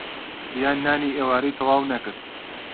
ڤیان نانی ئێوارەی تەواو نەکرد.